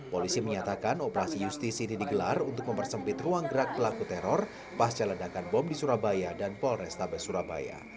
polisi menyatakan operasi justisi ini digelar untuk mempersempit ruang gerak pelaku teror pasca ledakan bom di surabaya dan polrestabes surabaya